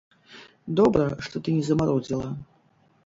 Добра, што ты не замарудзіла!